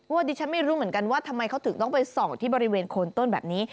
ดิฉันไม่รู้เหมือนกันว่าทำไมเขาถึงต้องไปส่องที่บริเวณโคนต้นแบบนี้